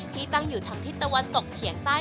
ที่ตั้งอยู่ทางทิศตะวันตกเฉียงใต้